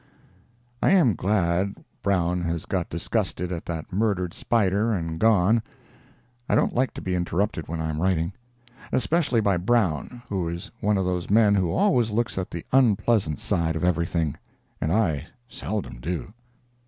I am glad Brown has got disgusted at that murdered spider and gone; I don't like to be interrupted when I am writing—especially by Brown, who is one of those men who always looks at the unpleasant side of everything, and I seldom do.